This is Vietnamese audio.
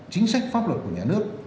chính sách pháp luật của nhà nước